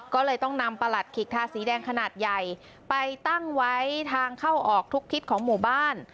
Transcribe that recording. ก็เลยต้องนำประหลัดขิกทาสีแดงขนาดใหญ่ไปตั้งไว้ทางเข้าออกทุกทิศของหมู่บ้าน